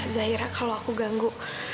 zahira kalau aku ganggu